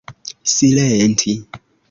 silenti